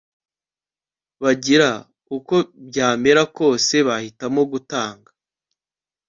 bagira uko byamera kose Bahitamo gutanga